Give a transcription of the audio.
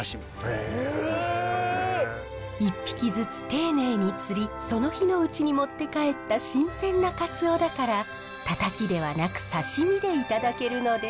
一匹ずつ丁寧に釣りその日のうちに持って帰った新鮮なカツオだからタタキではなく刺身でいただけるのです。